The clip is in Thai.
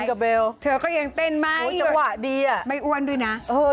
โอ๊ยเสียจริงกับเบลจังหวะดีอะไม่อ้วนด้วยนะไม่อ้วน